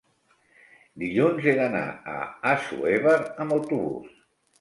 Dilluns he d'anar a Assuévar amb autobús.